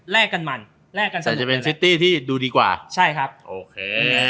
แลกกันหมั่นแลกกันสรุปเลยแหละใช่ครับโอเค